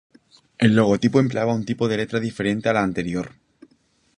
El logotipo empleaba un tipo de letra diferente a la anterior.